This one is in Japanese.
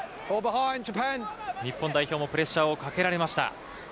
日本代表もプレッシャーをかけられました。